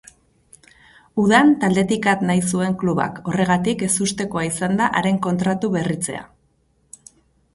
Udan taldetik at nahi zuen klubak horregatik ezustekoa izan da haren kontratu berritzea.